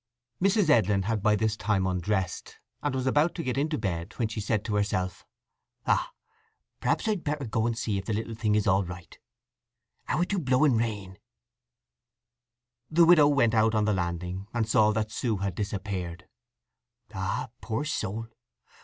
Mrs. Edlin had by this time undressed, and was about to get into bed when she said to herself: "Ah—perhaps I'd better go and see if the little thing is all right. How it do blow and rain!" The widow went out on the landing, and saw that Sue had disappeared. "Ah! Poor soul!